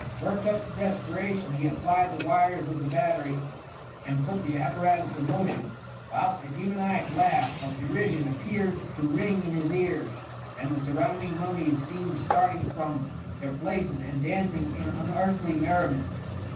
Worked up to desperation, he applied the wires of the battery and put the appiu*atu8 in motion, whilst a d^sioniac laugh of derision appeared to ring in his ears, and the jsucrounding mummies seemed starting from wf^mam^^^^^^ J their places and dandng ia unearthly merri* ment.